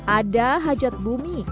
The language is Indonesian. ada hajat bumi